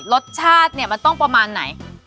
รสชาติเนี่ยมันต้องประมาณไหน